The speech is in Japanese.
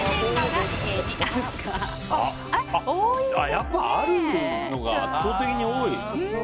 やっぱあるのが圧倒的に多い。